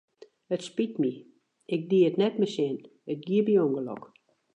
It spyt my, ik die it net mei sin, it gie by ûngelok.